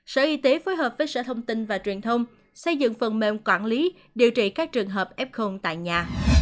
sở y tế phối hợp với sở thông tin và truyền thông xây dựng phần mềm quản lý điều trị các trường hợp f tại nhà